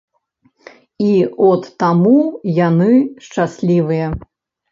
І от таму яны шчаслівыя.